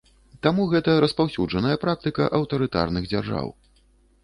Таму гэта распаўсюджаная практыка аўтарытарных дзяржаў.